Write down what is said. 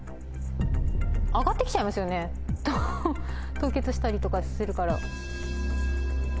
凍結したりとかするから。